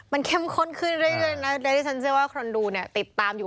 มันเข้มข้นขึ้นด้วยนะดังนั้นฉันเชื่อว่าคนดูติดตามอยู่